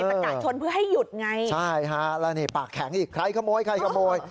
ประกาศชนเพื่อให้หยุดไงใช่ฮะแล้วนี่ปากแข็งอีกใครขโมยใครขโมย